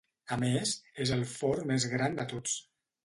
A més, és el fort més gran de tots.